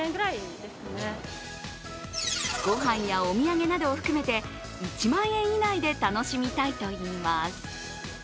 ごはんやお土産などを含めて１万円以内で楽しみたいといいます